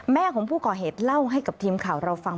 แม่ของผู้ก่อเหตุเล่าให้กับทีมข่าวเราฟัง